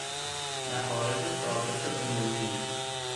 مخارج ثابت عمومی